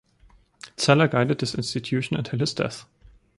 Zeller guided this institution until his death.